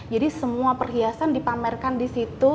jadi semua perhiasan dipamerkan di situ